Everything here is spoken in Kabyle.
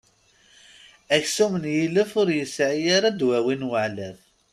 Aksum n yilef ur yesεi ara ddwawi n weεlaf.